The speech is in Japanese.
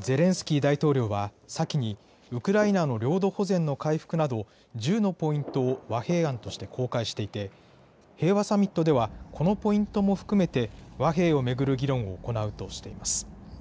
ゼレンスキー大統領は先にウクライナの領土保全の回復など１０のポイントを和平案として公開していて平和サミットではこのポイントも含めて和平を巡る議論を行うとしています。